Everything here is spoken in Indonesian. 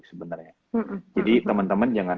sebenernya jadi temen temen jangan